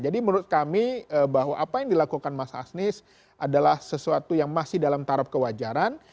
jadi menurut kami bahwa apa yang dilakukan mas anies adalah sesuatu yang masih dalam tarap kewajaran